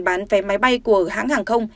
bán vé máy bay của hãng hàng không